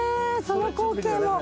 その光景も。